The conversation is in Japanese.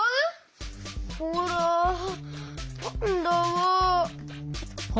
ほらパンダは。